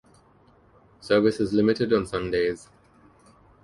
Service is limited on Sundays.